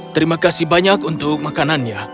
terima kasih banyak untuk makanannya